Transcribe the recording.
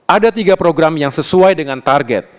ada tiga program yang sesuai dengan target